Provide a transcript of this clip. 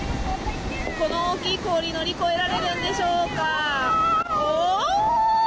この大きい氷乗り越えられるんでしょうか。